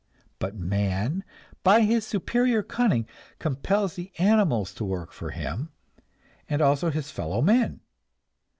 But man, by his superior cunning, compels the animals to work for him, and also his fellow men.